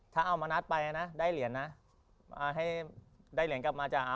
ถ้าเอามานัดไปนะได้เหรียญนะ